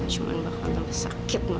cuma bakal sakit mah